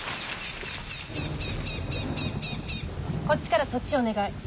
こっちからそっちお願い。